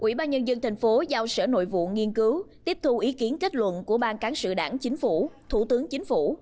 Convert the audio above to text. ủy ban nhân dân tp hcm giao sở nội vụ nghiên cứu tiếp thu ý kiến kết luận của ban cáng sự đảng chính phủ thủ tướng chính phủ